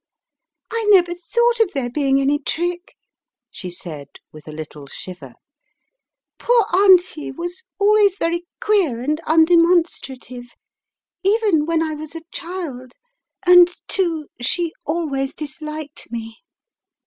"I never thought of there being any trick," she said with a little shiver. "Poor Auntie was always very queer and undemonstrative, even when I was a child, and, too, she always disliked me.